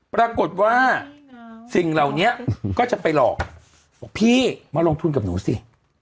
ปรากฏว่าสิ่งเหล่านี้ก็จะไปหลอกบอกพี่มาลงทุนกับหนูสิ